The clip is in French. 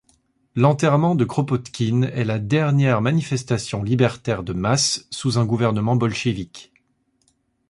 L’enterrement de Kropotkine est la dernière manifestation libertaire de masse sous un gouvernement bolchevique.